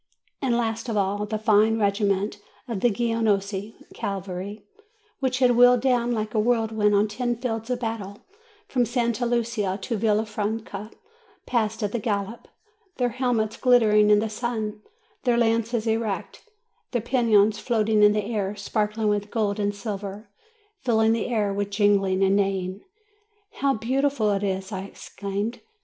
And last of all, the fine regiment of the Genoese cavalry, which had wheeled down like a whirlwind on ten fields of battle, from Santa Lucia to Villa franca, passed at a gallop, their helmets glittering in the sun, their lances erect, their pennons floating in the air, sparkling with gold and silver, filling the air with jingling and neighing. "How beautiful it is!" I exclaimed.